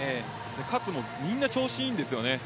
かつ、みんな調子がいいんですよね。